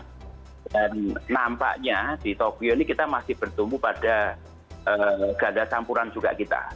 dan nampaknya di tokyo ini kita masih bertumbuh pada ganda campuran juga kita